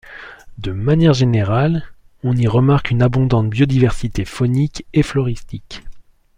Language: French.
De manière générale, on y remarque une abondante biodiversité faunique et floristique.